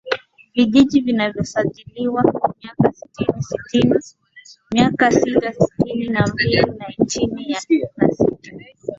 Vijiji vilivyosajiliwa miasita sitini na mbili na itini na sita